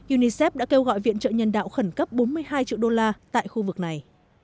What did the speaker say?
unicef đã kêu gọi viện trợ nhân đạo khẩn cấp bốn mươi hai triệu đô la tại khu vực này